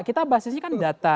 kita bahas ini kan data